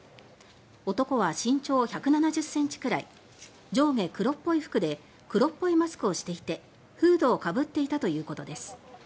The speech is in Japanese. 男は身長１７０ｃｍくらい上下黒っぽい服で黒っぽいマスクをしていてフードをかぶっていたということです。